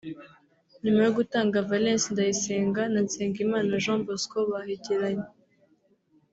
nyuma yo gutanga Valens Ndayisenga na Nsengimana Jean Bosco bahageranye